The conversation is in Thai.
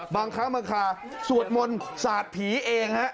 บางครั้งมันคะสวดมนต์ศาสตร์ผีเอง